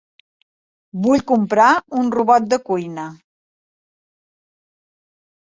Vull comprar un robot de cuina.